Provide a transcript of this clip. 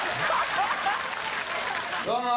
どうも！